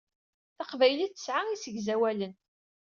Taqbaylit tesɛa isegzawalen.